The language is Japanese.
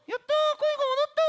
声が戻った。